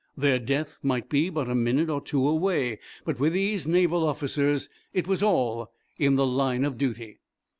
Their death might be but a minute or two away, but with these Naval officers it was all in the line of duty.